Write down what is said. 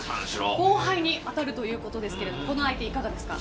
後輩に当たるということですが相手いかがですか。